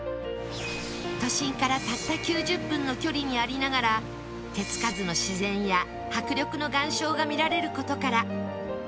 都心からたった９０分の距離にありながら手付かずの自然や迫力の岩礁が見られる事から